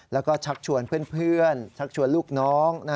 แล้วก็ชักชวนเพื่อนชักชวนลูกน้อง